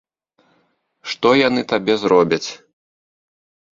Што яны табе зробяць?